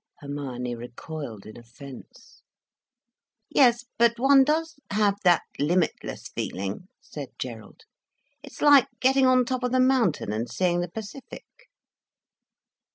Hermione recoiled in offence. "Yes, but one does have that limitless feeling," said Gerald. "It's like getting on top of the mountain and seeing the Pacific."